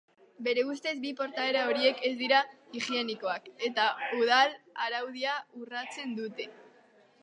Bere ustez, bi portaera horiek ez dira higienikoak eta udal-araudia urratzen dute.